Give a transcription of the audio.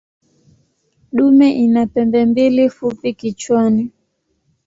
Dume ina pembe mbili fupi kichwani.